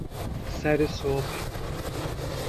سر صبح